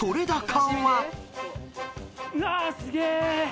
うわすげえ！